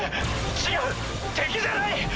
違う敵じゃない！